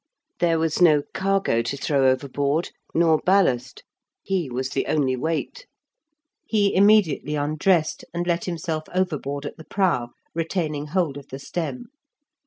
There was no cargo to throw overboard, nor ballast. He was the only weight. He immediately undressed, and let himself overboard at the prow, retaining hold of the stem.